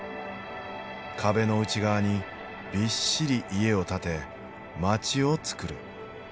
壁の内側にびっしり家を建て街をつくる。